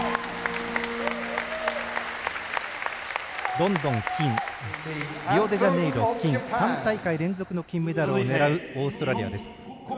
ロンドン金リオデジャネイロ金３大会連続の金メダルを狙うオーストラリアです。